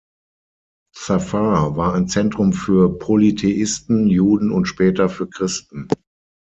Zafar war ein Zentrum für Polytheisten, Juden und später für Christen.